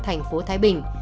thành phố thái bình